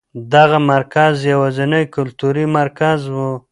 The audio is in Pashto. دغه مرکز یوازېنی کلتوري مرکز و.